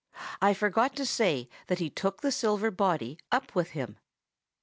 I forgot to say that he took the silver body up with him.